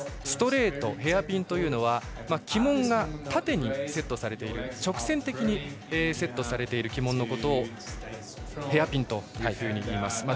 ストレート、ヘアピンというのは旗門が縦にセットされている直線的にセットされている旗門のことをヘアピンといいます。